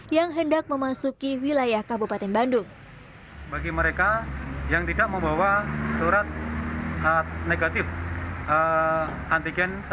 yang hendak memasuki wilayah kabupaten bandung bagi mereka yang tidak membawa surat negatif antigen